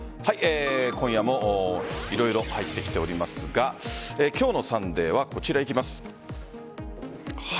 今夜も色々、入ってきておりますが今日の「サンデー」はこちら、いきます。